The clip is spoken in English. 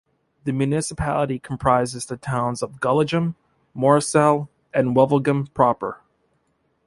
The municipality comprises the towns of Gullegem, Moorsele and Wevelgem proper.